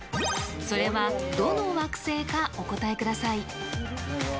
それはどの惑星かお答えください。